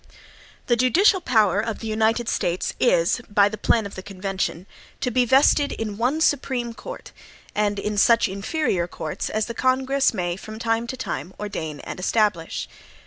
"The judicial power of the United States is" (by the plan of the convention) "to be vested in one Supreme Court, and in such inferior courts as the Congress may, from time to time, ordain and establish."